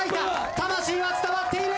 魂は伝わっている！